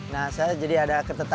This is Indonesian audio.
nah saya jadi ada ketetapan